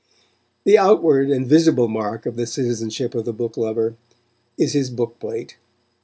The outward and visible mark of the citizenship of the book lover is his book plate.